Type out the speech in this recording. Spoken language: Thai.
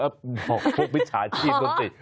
บอกพวกพิชาชีพคนติด